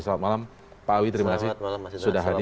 selamat malam pak awi terima kasih sudah hadir